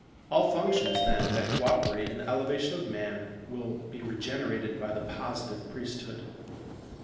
All functions, then, that co operate in the elevation of man will be regenerated by the Positive priesthood.